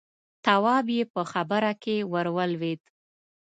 تواب يې په خبره کې ور ولوېد: